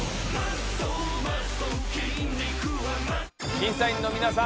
審査員のみなさん